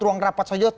ruang rapat saja